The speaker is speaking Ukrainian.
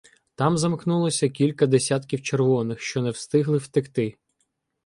Там замкнулося кілька десятків червоних, що не встигли втекти.